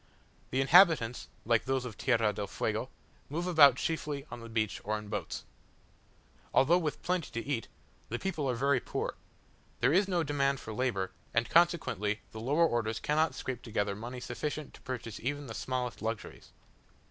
The inhabitants, like those of Tierra del Fuego, move about chiefly on the beach or in boats. Although with plenty to eat, the people are very poor: there is no demand for labour, and consequently the lower orders cannot scrape together money sufficient to purchase even the smallest luxuries.